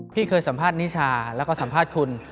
พี่เคยสัมภาษณ์นิชาแล้วก็สัมภาษณ์คุณ